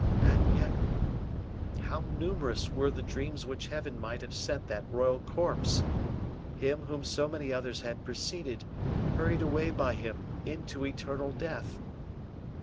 And yet, how numerous were the dreams which Heaven might have sent that royal corpse him whom so many others had preceded, hurried away by him into eternal death!